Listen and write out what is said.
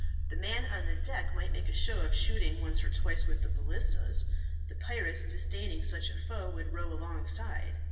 The men on deck might make a show of shooting once or twice with the balistas. The pirates, disdaining such a foe, would row alongside.